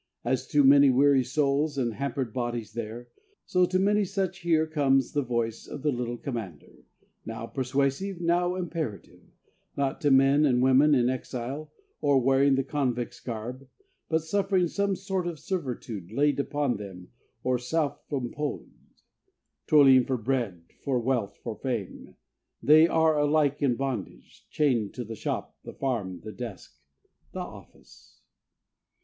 As to many weary souls and hampered bodies there, so to many such here comes the voice of the little commander, now persuasive, now imperative, not to men and women in exile or wearing the convict's garb, but suffering some sort of servitude laid upon them or self imposed. Toiling for bread, for wealth, for fame, they are alike in bondage chained to the shop, the farm, the desk, the office.